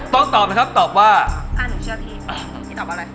ต้องตอบนะครับตอบว่าอ่าหนูเชื่อพี่พี่ตอบว่าอะไร